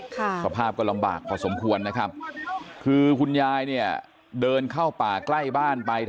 สภาพก็ลำบากพอสมควรนะครับคือคุณยายเนี่ยเดินเข้าป่าใกล้บ้านไป